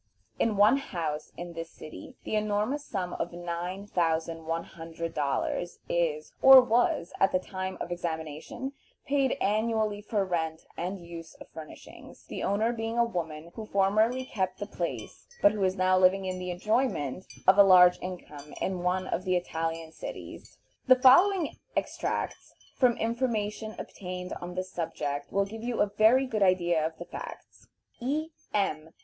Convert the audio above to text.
In one house in this city the enormous sum of nine thousand one hundred (9100) dollars is, or was at the time of examination, paid annually for rent and use of furniture, the owner being a woman who formerly kept the place, but who is now living in the enjoyment of a large income in one of the Italian cities. The following extracts from information obtained on this subject will give a very good idea of the facts: E. M.